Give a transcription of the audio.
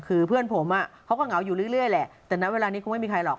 คือเพื่อนผมเขาก็เหงาอยู่เรื่อยแหละแต่ณเวลานี้คงไม่มีใครหรอก